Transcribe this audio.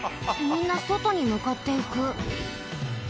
みんなそとにむかっていく。